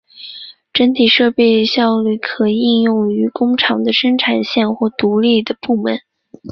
整体设备效率可应用于工厂的生产线或独立的部门。